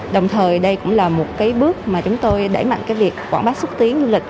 đồng thời đây cũng là một cái bước mà chúng tôi đẩy mạnh cái việc quảng bá xúc tiến du lịch